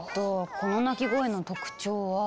この鳴き声の特徴は。